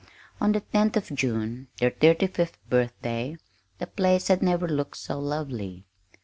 On the 10th of June, their thirty fifth birthday, the place never had looked so lovely.